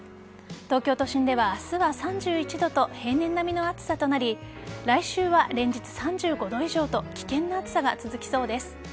東京都心では明日は３１度と平年並みの暑さとなり来週は連日３５度以上と危険な暑さが続きそうです。